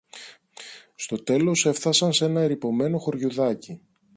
Στο τέλος έφθασαν σ' ένα ερειπωμένο χωριουδάκι